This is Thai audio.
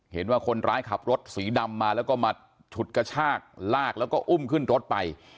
เห็นว่าคนร้ายขับรถสีดำมาแล้วก็มาฉุดกระชากลากแล้วก็อุ้มขึ้นรถไป